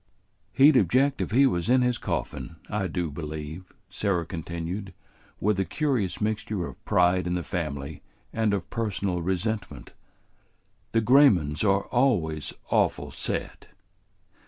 "He'd object if he was in his coffin, I do believe," Sarah continued, with a curious mixture of pride in the family and of personal resentment. "The Graymans are always awful set."